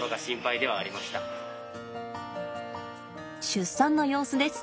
出産の様子です。